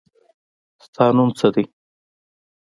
ستا نوم څه دی.